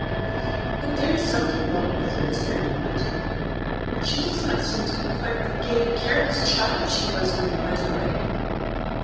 "But there is something wrong with her, is there not? she does not seem to me quite the gay, careless child she was when you went away.